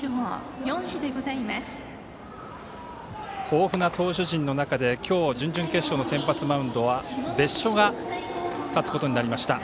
豊富な投手陣の中で、今日の準々決勝の先発マウンドは別所が立つことになりました。